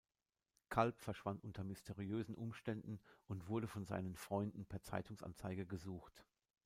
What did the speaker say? Kalb verschwand unter mysteriösen Umständen und wurde von seinen Freunden per Zeitungsanzeige gesucht.